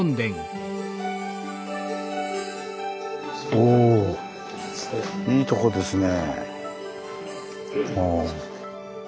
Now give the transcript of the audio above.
おぉいいとこですね。